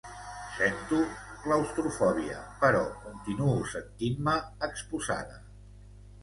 Sento claustrofòbia, però continuo sentint-me exposada.